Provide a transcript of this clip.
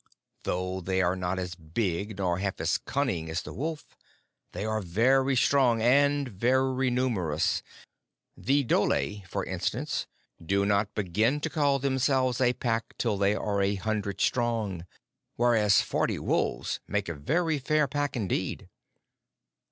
Though they are not as big nor half as cunning as the wolf, they are very strong and very numerous. The dhole, for instance, do not begin to call themselves a pack till they are a hundred strong; whereas forty wolves make a very fair pack indeed.